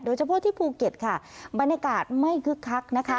เฉพาะที่ภูเก็ตค่ะบรรยากาศไม่คึกคักนะคะ